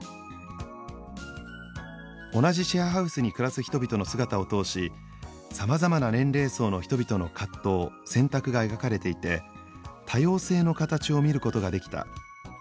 「同じシェアハウスに暮らす人々の姿を通しさまざまな年齢層の人々の葛藤選択が描かれていて多様性の形を見ることができた」